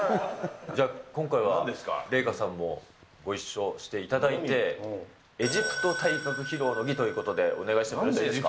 じゃ、今回はあれですか、レイカさんもご一緒していただいて、エジプト体格披露の儀ということで、お願いしてよろしいでしょうか。